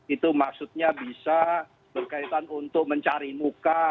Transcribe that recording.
itu maksudnya bisa berkaitan untuk mencari muka